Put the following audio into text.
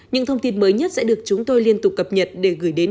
những thông tin mới nhất sẽ được chúng tôi liên tục cập nhật để gửi đến